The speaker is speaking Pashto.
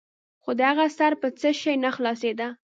خو د هغه سر په څه شي نه خلاصېده.